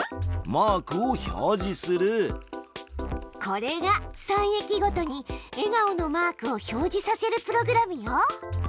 これが３駅ごとに笑顔のマークを表示させるプログラムよ！